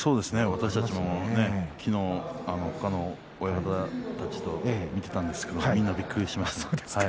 私たちも昨日他の親方たちと見ていたんですけれどもみんなびっくりしました。